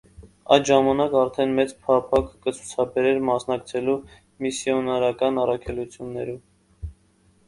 Այդ ժամանակ արդէն մեծ փափաք կը ցուցաբերէր մասնակցելու միսիօնարական առաքելութիւններու։